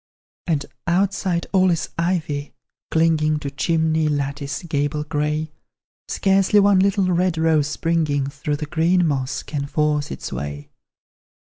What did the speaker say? And outside all is ivy, clinging To chimney, lattice, gable grey; Scarcely one little red rose springing Through the green moss can force its way.